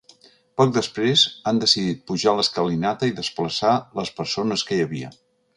Poc després han decidit pujar l’escalinata i desplaçar les persones que hi havia.